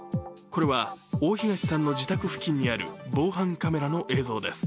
これは、大東さんの自宅付近にある防犯カメラの映像です。